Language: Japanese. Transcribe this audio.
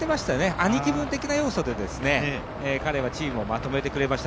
兄貴分的な要素で彼はチームをまとめてくれました。